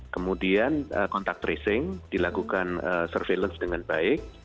kemudian kontak tracing dilakukan surveillance dengan baik